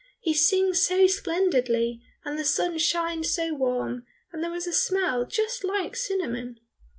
He sings so splendidly, and the sun shines so warm, and there is a smell just like cinnamon."